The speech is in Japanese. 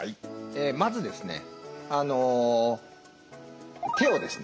まずですね手をですね